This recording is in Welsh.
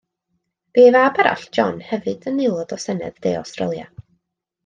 Bu ei fab arall, John, hefyd yn aelod o Senedd De Awstralia.